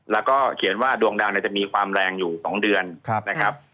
แล้วก็เขียนว่าดวงดาวจะมีความแรงอยู่๒เดือนนะครับ